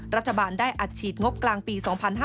รัฐบาลได้อัดฉีดงบกลางปี๒๕๕๙